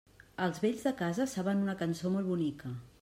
Els vells de casa saben una cançó molt bonica.